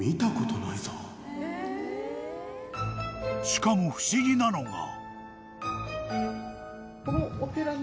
［しかも不思議なのが］